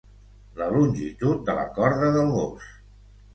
La longitud de la corda del gos.